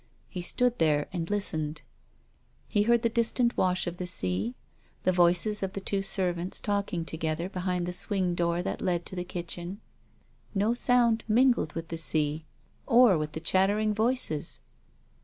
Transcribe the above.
He stood there and listened. He heard the distant wash of the sea, the voices of two servants talking together behind the swing door that led to the kitchen. No sound mingled with the sea, or with the chattering voices.